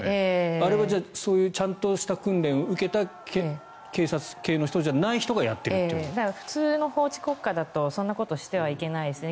あれはそういうちゃんとした訓練を受けた警察系の人じゃない人が普通の法治国家だとそんなことしてはいけないですよね。